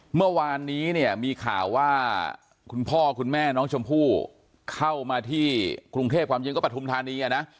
เมื่อวานนี้เนี่ยมีข่าวว่าคุณพ่อคุณแม่น้องชมพู่เข้ามาที่กรุงเทพความจริงก็ปฐุมธานีอ่ะนะ